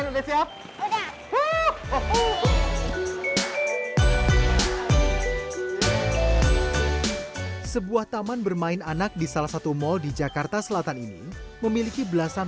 udah siap sebuah taman bermain anak di salah satu mal di jakarta selatan ini memiliki belasan